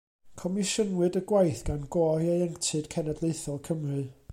Comisiynwyd y gwaith gan Gôr Ieuenctid Cenedlaethol Cymru.